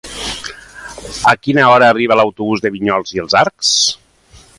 A quina hora arriba l'autobús de Vinyols i els Arcs?